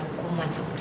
nanti kamu bisa gitu